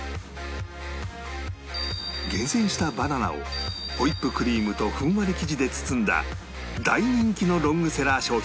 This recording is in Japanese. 厳選したバナナをホイップクリームとふんわり生地で包んだ大人気のロングセラー商品